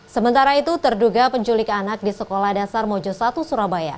sementara itu terduga penculik anak di sekolah dasar mojo satu surabaya